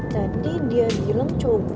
jadi dia bilang cowok gue